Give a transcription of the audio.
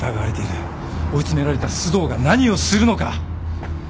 追い詰められた須藤が何をするのか。